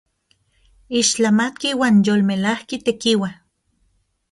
¡Ixtlamatki uan yolmelajki tekiua!